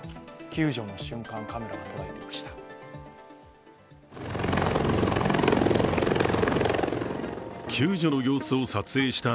救助の瞬間をカメラが捉えていました。